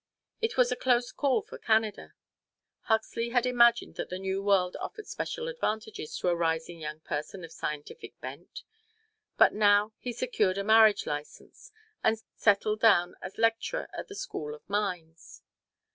It was a close call for Canada! Huxley had imagined that the New World offered special advantages to a rising young person of scientific bent, but now he secured a marriage license and settled down as lecturer at the School of Mines.